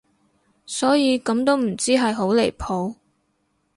所以咁都唔知係好離譜